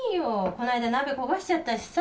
この間鍋焦がしちゃったしさ。